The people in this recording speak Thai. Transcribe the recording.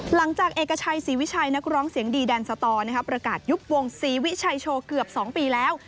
หลังจากเอกชัยศรีวิชัยนักร้องเสียงดีแดนสตอร์ประกาศยุบวงศรีวิชัยโชว์เกือบ๒ปีแล้ว